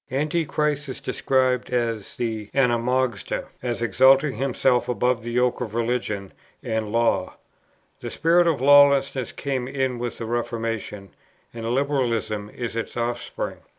Antichrist is described as the [Greek: anomos], as exalting himself above the yoke of religion and law. The spirit of lawlessness came in with the Reformation, and Liberalism is its offspring.